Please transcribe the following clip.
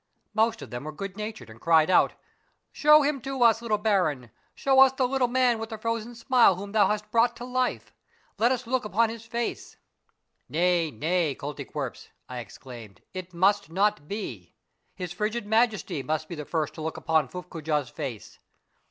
Most of them were good natured, and cried out, —" Show him to us, little baron, show us the Little Man with the Frozen Smile whom thou hast brought to life. Let us look upon his face !"" Nay, nay, Koltykwerps !" I exclaimed, " it must not be ! 184 A MARVELLOUS UNDERGROUND JOURNEY His frigid Majesty must be the first to look upon Fuffcoojah's face.